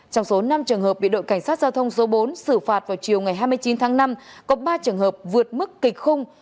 trong số năm trường hợp bị đội cảnh sát giao thông số bốn xử phạt vào chiều ngày hai mươi chín tháng năm có ba trường hợp vượt mức kịch khung